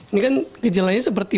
ini kan gejalanya seperti